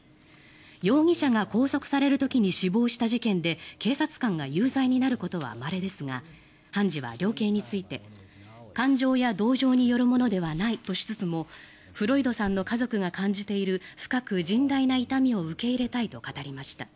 容疑者が拘束される時に死亡した事件で警察官が有罪になることはまれですが、判事は量刑について感情や同情によるものではないとしつつもフロイドさんの家族が感じている深く甚大な痛みを受け入れたいと語りました。